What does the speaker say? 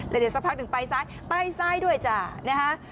เดี๋ยวสักพักหนึ่งไปซ้ายไปซ้ายด้วยจ้านะคะ